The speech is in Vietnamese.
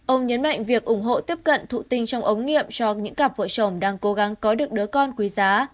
ông nhấn mạnh việc ủng hộ tiếp cận thụ tinh trong ống nghiệm cho những cặp vợ chồng đang cố gắng có được đứa con quý giá